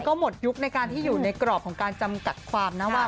ก็หมดยุคในการที่อยู่ในกรอบของการจำกัดความนะว่า